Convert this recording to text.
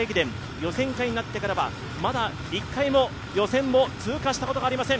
予選会になってからは、まだ１回も予選も通過したことがありません。